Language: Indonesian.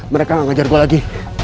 mereka gak ngajar gue lagi